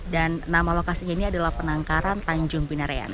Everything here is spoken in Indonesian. dan nama lokasinya ini adalah penangkaran tanjung binerian